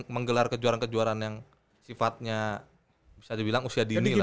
menggelar kejuaraan kejuaraan yang sifatnya bisa dibilang usia dini lah